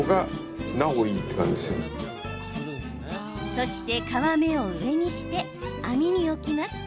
そして皮目を上にして網に置きます。